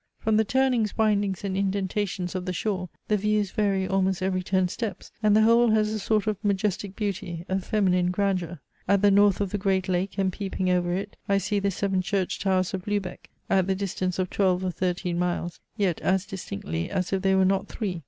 From the turnings, windings, and indentations of the shore, the views vary almost every ten steps, and the whole has a sort of majestic beauty, a feminine grandeur. At the north of the Great Lake, and peeping over it, I see the seven church towers of Luebec, at the distance of twelve or thirteen miles, yet as distinctly as if they were not three.